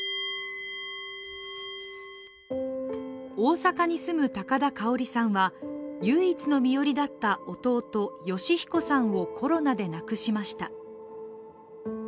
大阪に住む高田かおりさんは唯一の身寄りだった弟、善彦さんをコロナで亡くしました。